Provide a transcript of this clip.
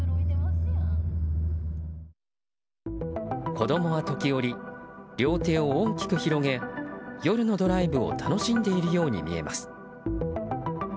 子供は時折、両手を大きく広げ夜のドライブを楽しんでいるように見えます。